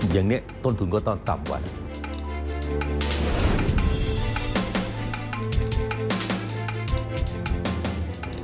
อย่างนี้ต้นทุนก็ต้องต่ำกว่า